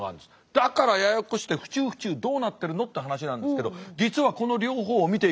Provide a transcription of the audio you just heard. だからややこしくて府中府中どうなってるのって話なんですけど実はこの両方を見ていくと次を見てください。